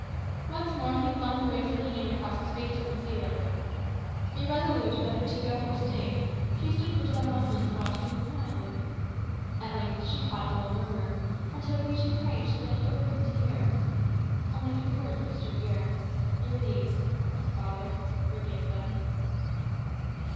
Once more he flung the wasted hand across his face to conceal it. Irresolute whether to go or stay, she stood for some minutes watching him silently. At length she caught a low murmur, and hoping that he prayed, she bent over him to hear. Only three words reached her ear. They were these "Father, forgive them."